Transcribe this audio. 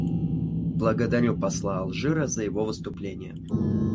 Благодарю посла Алжира за его выступление.